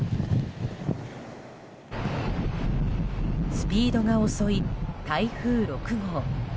スピードが遅い台風６号。